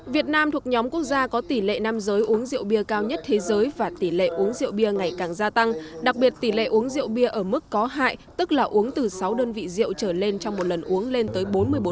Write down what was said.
việt nam thuộc nhóm quốc gia có tỷ lệ nam giới uống rượu bia cao nhất thế giới và tỷ lệ uống rượu bia ngày càng gia tăng đặc biệt tỷ lệ uống rượu bia ở mức có hại tức là uống từ sáu đơn vị rượu trở lên trong một lần uống lên tới bốn mươi bốn